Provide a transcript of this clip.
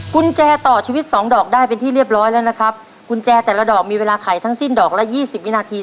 กุญแจต่อชีวิตสองดอกได้เป็นที่เรียบร้อยแล้วนะครับกุญแจแต่ละดอกมีเวลาไขทั้งสิ้นดอกละยี่สิบวินาที